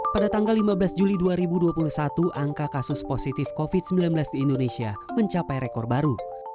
pada tanggal lima belas juli dua ribu dua puluh satu angka kasus positif covid sembilan belas di indonesia mencapai rekor baru